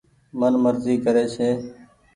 من مرزي ڪري ڇي ۔